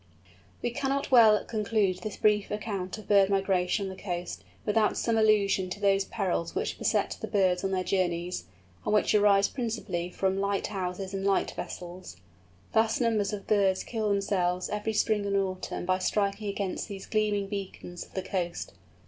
We cannot well conclude this brief account of Bird Migration on the coast without some allusion to those perils which beset the birds on their journeys, and which arise principally from light houses and light vessels. Vast numbers of birds kill themselves every spring and autumn by striking against these gleaming beacons of the coast.